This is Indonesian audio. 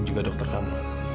juga dokter kamu